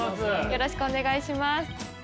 よろしくお願いします。